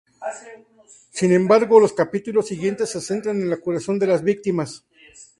Sin embargo los capítulos siguientes se centran en la curación de las víctimas.